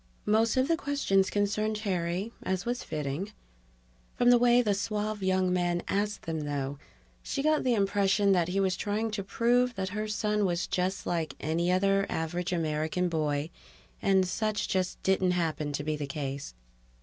Most of the questions concerned Terry, as was fitting. From the way the suave young man asked them, though, she got the impression that he was trying to prove that her son was just like any other average American boy, and such just didn't happen to be the case.